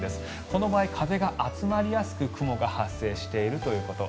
この場合、風が集まりやすく雲が発生しているということ。